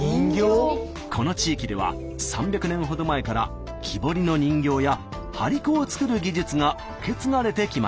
この地域では３００年ほど前から木彫りの人形や張り子を作る技術が受け継がれてきました。